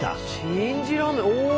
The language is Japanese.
信じらんないお。